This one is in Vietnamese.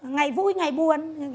ngày vui ngày buồn